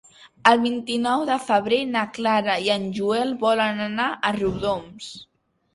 El vint-i-nou de febrer na Clara i en Joel volen anar a Riudoms.